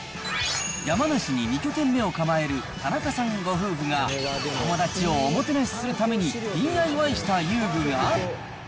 山梨に２拠点目を構える田中さんご夫婦が、友達をおもてなしするためにＤＩＹした遊具が。